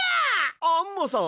アンモさん？